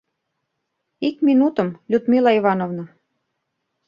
— Ик минутым, Людмила Ивановна...